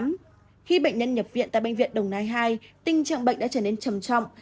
khi bệnh nhân nhập viện tại bệnh viện đồng nai hai tình trạng bệnh đã trở nên trầm trọng